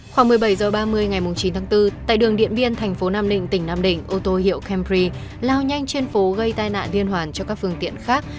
khoảng một mươi bảy h ba mươi ngày chín tháng bốn tại đường điện biên thành phố nam định tỉnh nam định ô tô hiệu cambri lao nhanh trên phố gây tai nạn liên hoàn cho các phương tiện khác